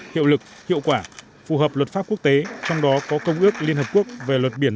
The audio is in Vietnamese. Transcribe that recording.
hiệu lực hiệu quả phù hợp luật pháp quốc tế trong đó có công ước liên hợp quốc về luật biển một nghìn chín trăm tám mươi hai